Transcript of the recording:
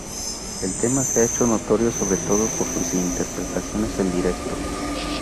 El tema se ha hecho notorio sobre todo por sus interpretaciones en directo.